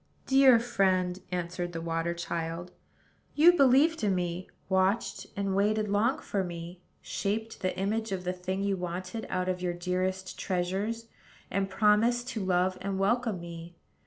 "Dear friend," answered the water child, "you believed in me, watched and waited long for me, shaped the image of the thing you wanted out of your dearest treasures, and promised to love and welcome me.